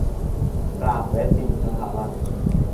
ปราบเว็บหมิ่นสถาบัน